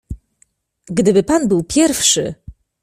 "Gdyby pan był pierwszy!"